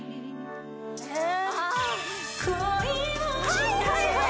はいはいはい！